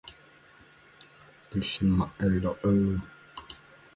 Vincent Minnelli directed the film, while John Houseman produced it.